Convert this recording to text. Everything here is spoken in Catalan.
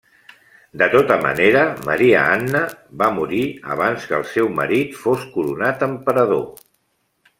De tota manera Maria Anna va morir abans que el seu marit fos coronat emperador.